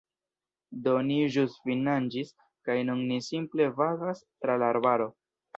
Do ni Ĵus finnaĝis kaj nun ni simple vagas tra la arbaro